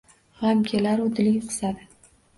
Gʻam kelaru diling qisadi –